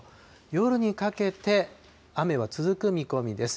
夜にかけて雨は続く見込みです。